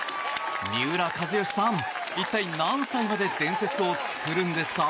三浦知良さん、一体何歳まで伝説を作るんですか？